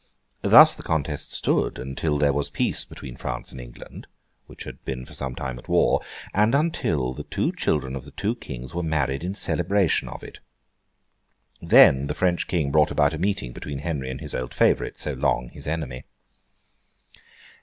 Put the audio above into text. Thus the contest stood, until there was peace between France and England (which had been for some time at war), and until the two children of the two Kings were married in celebration of it. Then, the French King brought about a meeting between Henry and his old favourite, so long his enemy.